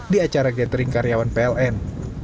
di acara gathering karyawan pln